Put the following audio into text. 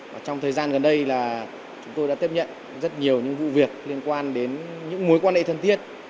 và trong thời gian gần đây là chúng tôi đã tiếp nhận rất nhiều những vụ việc liên quan đến những mối quan hệ thân thiết